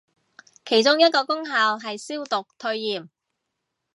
其中一個功效係消毒退炎